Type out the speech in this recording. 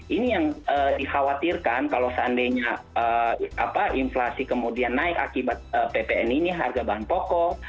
ini yang dikhawatirkan kalau seandainya inflasi kemudian naik akibat ppn ini harga bahan pokok